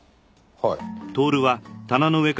はい。